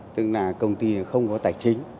tức là công ty không có tài chính